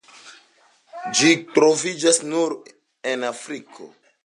Ĝi troviĝas nur en Afriko.